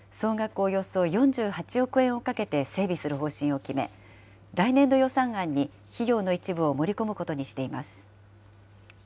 およそ４８億円をかけて整備する方針を決め、来年度予算案に費用の一部を盛り込むことにしています。